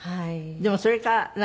でもそれから何？